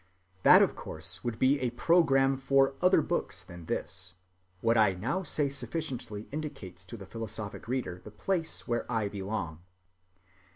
That of course would be a program for other books than this; what I now say sufficiently indicates to the philosophic reader the place where I belong.